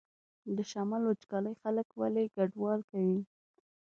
د شمال وچکالي خلک ولې کډوال کوي؟